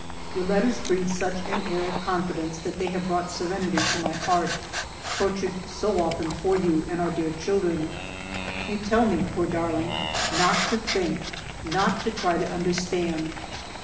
Your letters breathe such an air of confi dence that they have brought serenity to my heart, tortured so often for you and our dear children. " You tell me, poor darling, not to think, not to try to understand.